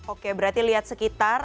oke berarti lihat sekitar